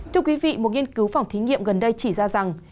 thưa quý vị một nghiên cứu phòng thí nghiệm gần đây chỉ ra rằng